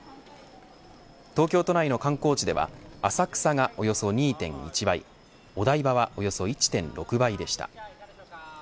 東京都内の観光地では浅草がおよそ２．１倍お台場はおよそ１．６倍でした。